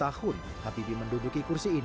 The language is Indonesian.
dua puluh tahun habibi menduduki kursi ini